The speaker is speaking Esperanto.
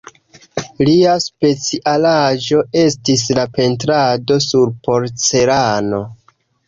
Lia specialaĵo estis la pentrado sur porcelano.